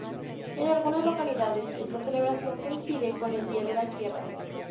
En algunas localidades, esta celebración coincide con el Día de la Tierra.